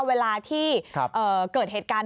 เวลาที่เกิดเหตุการณ์